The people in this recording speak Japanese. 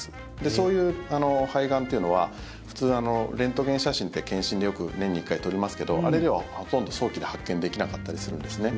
そういう肺がんというのは普通、レントゲン写真って健診でよく、年に１回撮りますけどあれではほとんど早期で発見できなかったりするんです。